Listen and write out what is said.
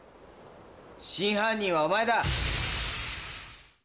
真犯人はお前だ。